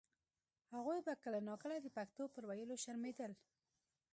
هغوی به کله نا کله د پښتو پر ویلو شرمېدل.